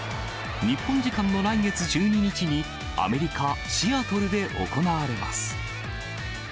日本時間の来月１２日に、アメリカ・シアトルで行われます。